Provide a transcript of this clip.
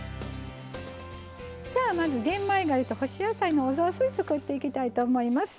じゃあまず玄米がゆと干し野菜のお雑炊作っていきたいと思います。